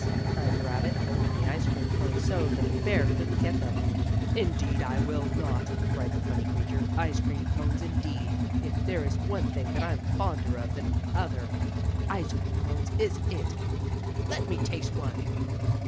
cried the rabbit, holding the ice cream cones so that the bear couldn't get them. "Indeed I will not!" cried the furry creature. "Ice cream cones, indeed! If there is one thing that I'm fonder of than another, ice cream cones is it! Let me taste one!"